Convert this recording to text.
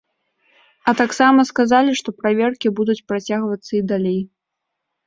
А таксама сказалі, што праверкі будуць працягвацца і далей.